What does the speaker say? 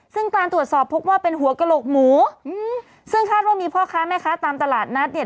ซึ่งการตรวจสอบพบว่าเป็นหัวกระโหลกหมูอืมซึ่งคาดว่ามีพ่อค้าแม่ค้าตามตลาดนัดเนี่ย